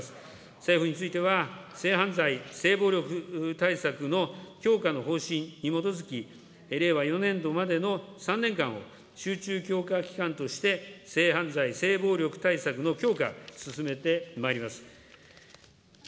政府については性犯罪、性暴力対策の強化の方針に基づき、令和４年度までの３年間を集中強化期間として、性犯罪、性暴力対策の強化、進めてまいります。